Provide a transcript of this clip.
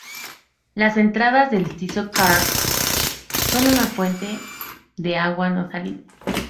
Las entradas del Tso Kar son una fuente de agua no salina.